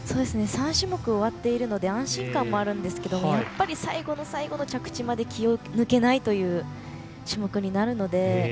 ３種目、終わっているので安心感もあるんですけど最後の最後の着地まで気を抜けないという種目になるので。